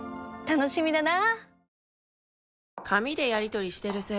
楽しみだな！